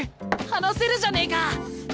話せるじゃねえか！